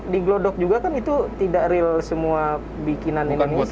di glodok juga kan itu tidak real semua bikinan indonesia